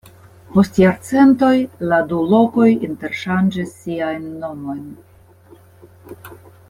Post jarcentoj la du lokoj interŝanĝis siajn nomojn.